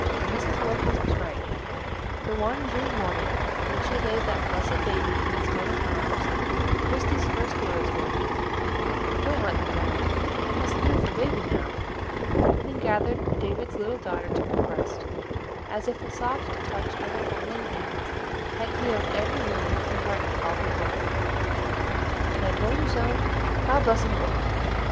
Mrs. Wilkins was right; for one June morning, when she laid "that blessed baby" in its mother's arms, Christie's first words were: "Don't let me die: I must live for baby now," and gathered David's little daughter to her breast, as if the soft touch of the fumbling hands had healed every wound and brightened all the world. "I told you so; God bless 'em both!"